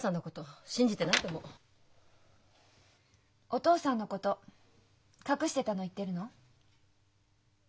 お父さんのこと隠してたの言ってるの？